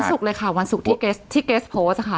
ศุกร์เลยค่ะวันศุกร์ที่เกรสโพสต์ค่ะ